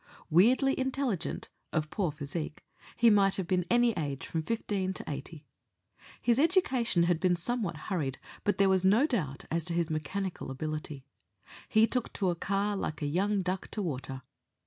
Weirdly intelligent, of poor physique, he might have been any age from fifteen to eighty. His education had been somewhat hurried, but there was no doubt as to his mechanical ability. He took to a car like a young duck to water.